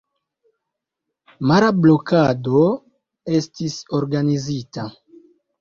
Mara blokado estis organizita.